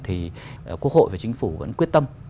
thì quốc hội và chính phủ vẫn quyết tâm